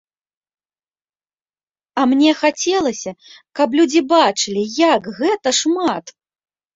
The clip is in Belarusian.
А мне хацелася, каб людзі бачылі, як гэта шмат.